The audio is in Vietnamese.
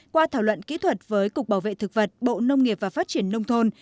qua thảo luận kỹ thuật với cục bảo vệ thực vật bộ nông nghiệp và phát triển nông thôn